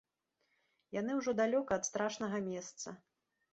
Яны ўжо далёка ад страшнага месца.